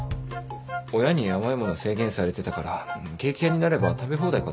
親に甘い物制限されてたからケーキ屋になれば食べ放題かと思って。